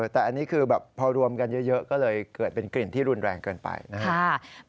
แต่อันนี้คือแบบพอรวมกันเยอะก็เลยเกิดเป็นกลิ่นที่รุนแรงเกินไปนะครับ